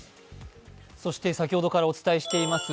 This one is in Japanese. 先ほどからお伝えしています